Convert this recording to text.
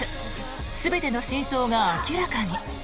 全ての真相が明らかに！